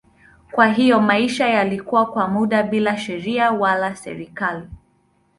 Kwa hiyo maisha yalikuwa kwa muda bila sheria wala serikali.